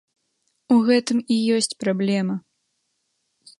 У гэтым і ёсць праблема.